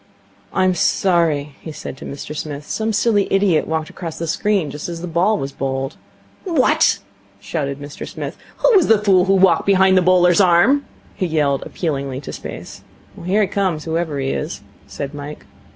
'I'm sorry,' he said to Mr Smith. 'Some silly idiot walked across the screen just as the ball was bowled.' 'What!' shouted Mr Smith. 'Who was the fool who walked behind the bowler's arm?' he yelled appealingly to Space. 'Here he comes, whoever he is,' said Mike.